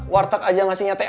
warteg aja ngasih nyatean